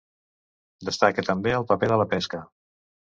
Destaca també el paper de la pesca.